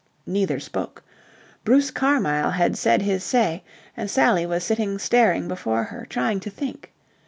Neither spoke. Bruce Carmyle had said his say, and Sally was sitting staring before her, trying to think.